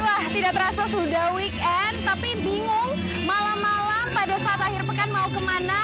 wah tidak terasa sudah weekend tapi bingung malam malam pada saat akhir pekan mau kemana